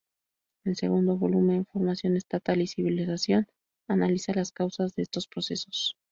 El segundo volumen, "Formación estatal y civilización", analiza las causas de estos procesos.